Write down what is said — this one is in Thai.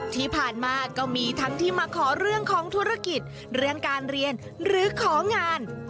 ที่ผ่านมาก็มีทั้งที่มาขอเรื่องของธุรกิจเรื่องการเรียนหรือของาน